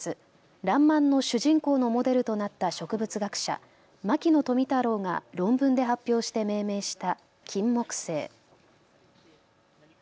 らんまんの主人公のモデルとなった植物学者、牧野富太郎が論文で発表して命名したキンモクセイ。